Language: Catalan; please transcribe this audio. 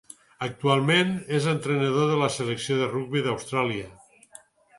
Actualment és l'entrenador de la selecció de rugbi d'Austràlia.